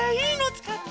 つかって。